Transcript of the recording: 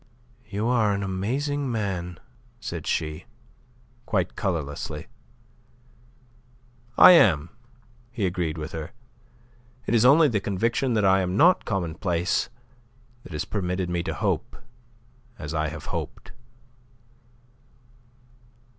"You are an amazing man," said she, quite colourlessly. "I am," he agreed with her. "It is only the conviction that I am not commonplace that has permitted me to hope as I have hoped."